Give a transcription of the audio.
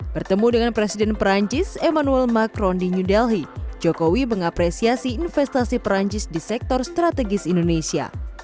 bertemu dengan presiden perancis emmanuel macron di new delhi jokowi mengapresiasi investasi perancis di sektor strategis indonesia